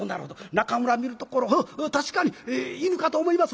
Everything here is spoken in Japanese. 中村見るところ確かに犬かと思います」。